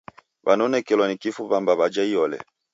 Wanonekelwa ni kifu wamba wajha iyole